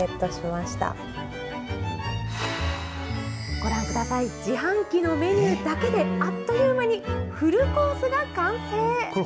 ご覧ください、自販機のメニューだけで、あっという間にフルコースが完成。